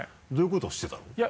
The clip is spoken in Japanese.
どういうことをしてたの？